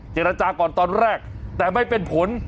เจรจาก่อนตอนแรกแต่ไม่เป็นผล